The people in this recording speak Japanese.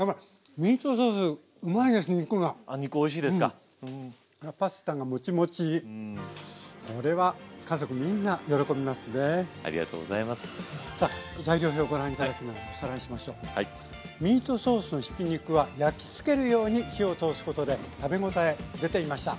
ミートソースのひき肉は焼きつけるように火を通すことで食べ応え出ていました。